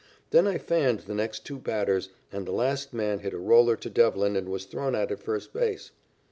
Then I fanned the next two batters, and the last man hit a roller to Devlin and was thrown out at first base.